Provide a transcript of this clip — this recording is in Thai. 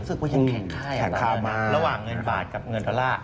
รู้สึกว่ายังแข็งค่าอยู่ตรงนั้นระหว่างเงินบาทกับเงินอัตรา